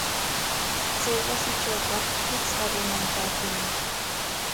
Chay wasitrawqa pichqaq runam taakuyan.